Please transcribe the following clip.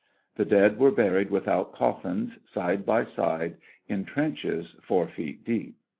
The dead were buried without coffins, side by side, in trenches four feet deep.